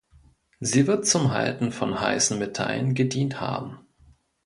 Sie wird zum Halten von heißen Metallen gedient haben.